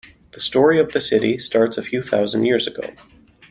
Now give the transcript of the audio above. The story of the city starts a few thousand years ago.